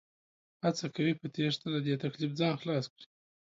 هڅه کوي په تېښته له دې تکليف ځان خلاص کړي